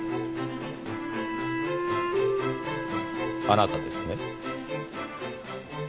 あなたですね？